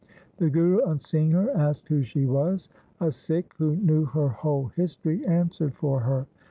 The Guru on seeing her asked who she was. A Sikh who knew her whole history answered for her.